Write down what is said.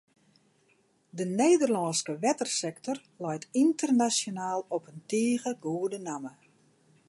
De Nederlânske wettersektor leit ynternasjonaal op in tige goede namme.